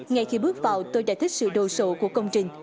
ngay khi bước vào tôi đã thích sự đồ sộ của công trình